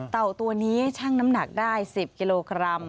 ตัวนี้ชั่งน้ำหนักได้๑๐กิโลกรัม